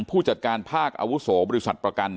ผู้จัดการภาคอาวุโสบริษัทประกัน